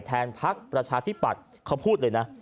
พักประชาธิปัตย์เขาพูดเลยนะ